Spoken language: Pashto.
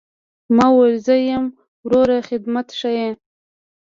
ما وويل زه يم وروه خدمت ښييه.